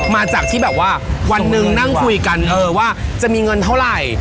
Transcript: มาจากที่แบบว่าวันหนึ่งนั่งคุยกันว่าจะมีเงินเท่าไหร่